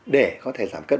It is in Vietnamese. để có thể giảm cân